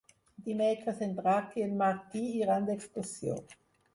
Dimecres en Drac i en Martí iran d'excursió.